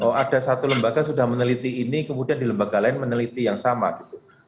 oh ada satu lembaga sudah meneliti ini kemudian di lembaga lain meneliti yang sama gitu